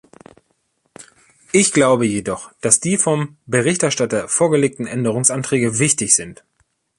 Ich glaube jedoch, dass die vom Berichterstatter vorgelegten Änderungsanträge wichtig sind.